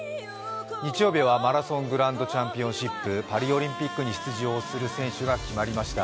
日曜日はマラソングランドチャンピオンシップパリオリンピックに出場する選手が決まりました。